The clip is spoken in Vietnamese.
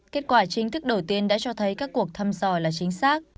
kết quả chính thức đầu tiên đã cho thấy các cuộc thăm dò là chính xác